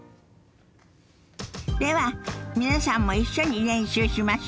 では皆さんも一緒に練習しましょ。